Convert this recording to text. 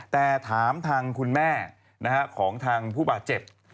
แต่ถามทางคุณแม่ของทางผู้บาดเจ็บ